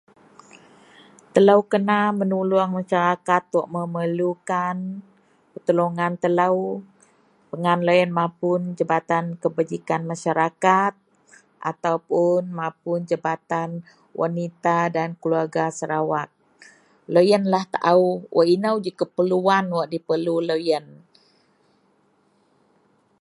Telo kena menolong masarakat wak memerlukan pertolongan telo pengan loyen mapun jabatan kebajikan masarakat atau puon mapun Jabatan wanita dan keluwarga Sarawak. Loyenlah taao wak eno ji keperluwan wak diperlu loyen.